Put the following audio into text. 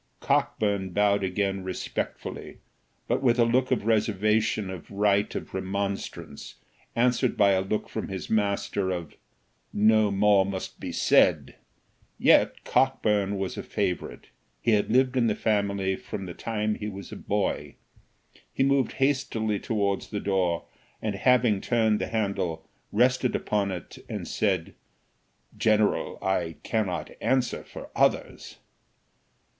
Cockburn bowed again respectfully, but with a look of reservation of right of remonstrance, answered by a look from his master, of "No more must be said." Yet Cockburn was a favourite; he had lived in the family from the time he was a boy. He moved hastily towards the door, and having turned the handle, rested upon it and said, "general, I cannot answer for others."